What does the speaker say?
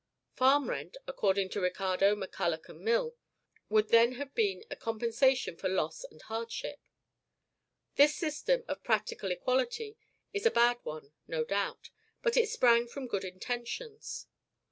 Farm rent according to Ricardo, MacCulloch, and Mill would then have been a compensation for loss and hardship. This system of practical equality is a bad one, no doubt; but it sprang from good intentions.